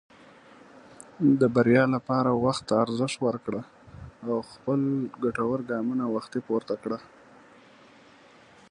د بریا لپاره وخت ته ارزښت ورکړه، او خپل ګټور ګامونه وختي پورته کړه.